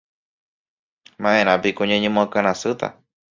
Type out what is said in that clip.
Ma'erãpiko ñañemoakãrasýta